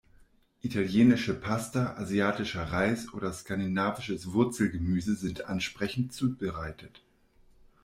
Italienische Pasta, asiatischer Reis oder skandinavisches Wurzelgemüse sind ansprechend zubereitet.